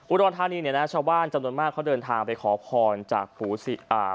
อุดรธานีเนี่ยนะชาวบ้านจำนวนมากเขาได้เดินทางเขาขอขอลจากภูอะ